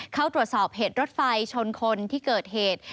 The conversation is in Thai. เข้าตรวจสอบเหตุรถไฟชนคนที่เกิดเหตุ